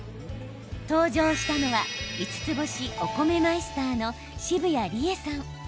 登場したのは五ツ星お米マイスターの澁谷梨絵さん。